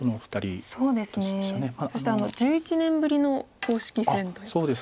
そして１１年ぶりの公式戦ということで。